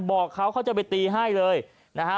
บอกเขาเขาจะไปตีให้เลยนะฮะ